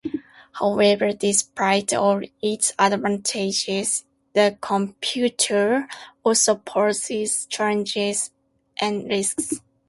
However, despite all its advantages, the computer also poses challenges and risks.